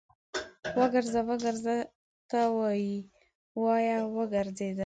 وګرځه، وګرځه ته وايې، وايه وګرځېدم